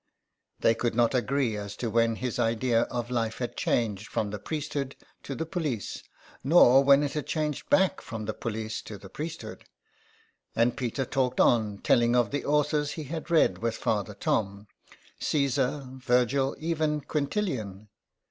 They could not agree as to when his idea of life had changed from the priesthood to the police, nor when it had changed back from the police to the priesthood, and Peter talked on, telling of the authors he had read with Father Tom — Caesar, Virgil, even Quintillian.